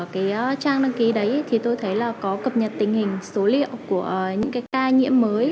cái trang đăng ký đấy thì tôi thấy là có cập nhật tình hình số liệu của những cái ca nhiễm mới